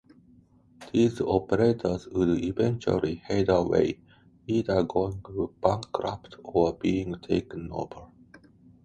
These operators would eventually fade away, either going bankrupt or being taken over.